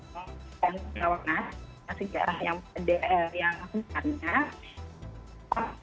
kalau nasa sejarah yang besar yang besar